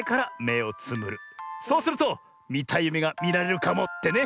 そうするとみたいゆめがみられるかもってね。